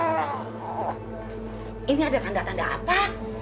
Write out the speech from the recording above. ini ada tanda tanda apa